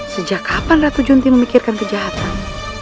sejak kapan ratu junti memikirkan kejahatan